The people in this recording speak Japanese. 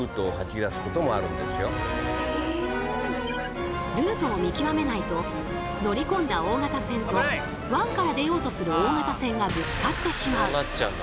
時にはルートを見極めないと乗りこんだ大型船と湾から出ようとする大型船がぶつかってしまう。